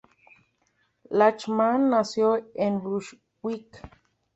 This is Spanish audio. Lachmann nació en Brunswick.